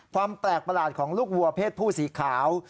ความแปลกประหลาดของลูกวัวเพศผู้สีขาว